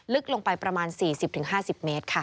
ลึกลงไปประมาณ๔๐๕๐เมตรค่ะ